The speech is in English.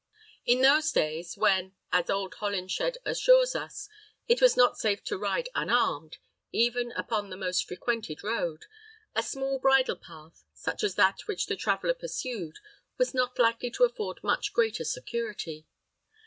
In those days, when, as old Holinshed assures us, it was not safe to ride unarmed, even upon the most frequented road, a small bridle path, such as that which the traveller pursued, was not likely to afford much greater security.